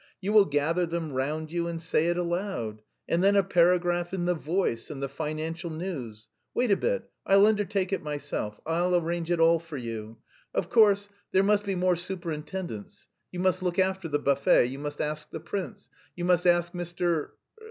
You will gather them round you and say it aloud. And then a paragraph in the Voice and the Financial News. Wait a bit, I'll undertake it myself, I'll arrange it all for you. Of course there must be more superintendence: you must look after the buffet; you must ask the prince, you must ask Mr....